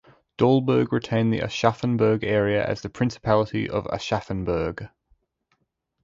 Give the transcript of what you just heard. Dalberg retained the Aschaffenburg area as the Principality of Aschaffenburg.